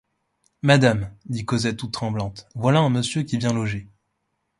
Madame, dit Cosette toute tremblante, voilà un monsieur qui vient loger.